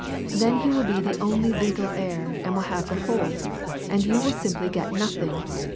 Then he will be the only legal heir and will have the whole, and you will simply get nothing.